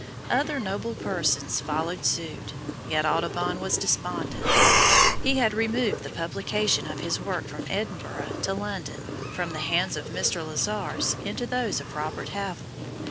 Other noble persons followed suit, yet Audubon was despondent. He had removed the publication of his work from Edinburgh to London, from the hands of Mr. Lizars into those of Robert Havell.